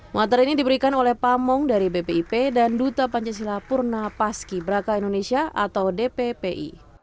muatar ini diberikan oleh pamong dari bpip dan duta pancasila purna paski braka indonesia atau dppi